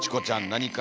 何か。